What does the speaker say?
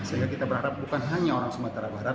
sehingga kita berharap bukan hanya orang sumatera barat